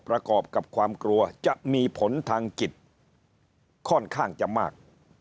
ประกอบกับความกลัวจะมีผลทางจิตค่อนข้างจะมาก